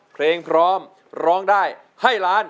เพลงพร้อมร้องได้ให้ล้าน